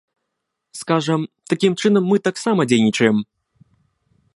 Скажам, такім чынам мы таксама дзейнічаем.